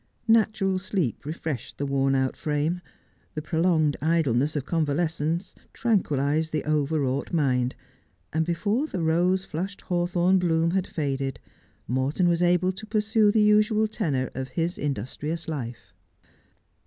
Natural sleep refreshed the worn out frame ; the prolonged idleness of convalescence tranquilized the over wrought mind, and before the rose flushed hawthorn bloom had faded Morton was able to pursue the usual tenor of his industrious life.